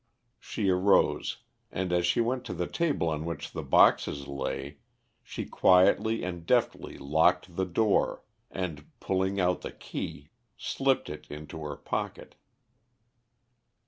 She arose, and, as she went to the table on which the boxes lay, she quietly and deftly locked the door, and, pulling out the key, slipped it into her pocket.